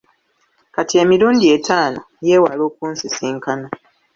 Kati emirundi etaano, yeewala okunsisinkana.